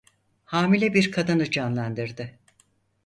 Hamile bir kadını canlandırdı.